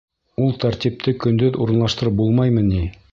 — Ул тәртипте көндөҙ урынлаштырып булмаймы ни?